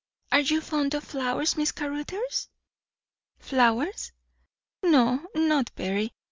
"Are you fond of flowers, Miss Caruthers?" "Flowers? No, not very.